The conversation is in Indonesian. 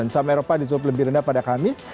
sameropa ditutup lebih rendah pada kamis